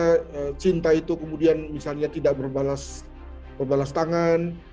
pencinta itu kemudian misalnya tidak berbalas tangan